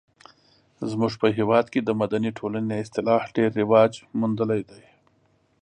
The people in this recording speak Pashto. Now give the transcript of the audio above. زموږ په هېواد کې د مدني ټولنې اصطلاح ډیر رواج موندلی دی.